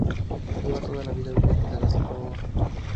Lleva toda la vida viviendo de la sopa boba